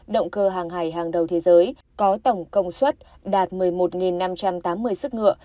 động cơ hàng hải hàng đầu thế giới có tổng công suất đạt một mươi một năm trăm tám mươi sức ngựa